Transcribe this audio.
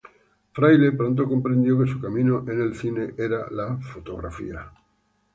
Fraile pronto comprendió que su camino, en el cine, era la fotografía.